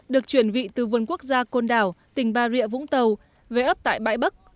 được chuyển vị từ vườn quốc gia côn đảo tỉnh bà rịa vũng tàu về ấp tại bãi bắc